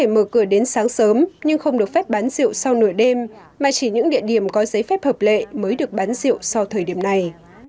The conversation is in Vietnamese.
mở cửa đến sáng sớm nhưng không được phép bán rượu sau nửa đêm mà chỉ những địa điểm có giấy phép hợp lệ mới được bán rượu sau thời điểm này